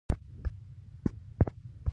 دا یو عام اصل دی.